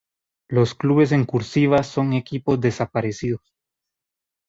Los clubes en cursiva son equipos desaparecidos.